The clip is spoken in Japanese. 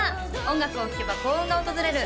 音楽を聴けば幸運が訪れる